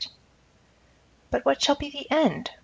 But what shall be the end?